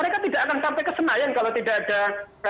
kita akan sampai kesenaian kalau tidak ada